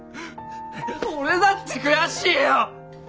俺だって悔しいよ！